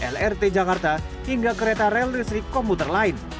lrt jakarta hingga kereta rel listrik komputer lain